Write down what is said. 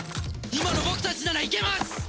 今の僕たちならいけます！